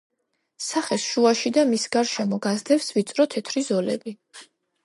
სახეს შუაში და მის გარშემო გასდევს ვიწრო თეთრი ზოლები.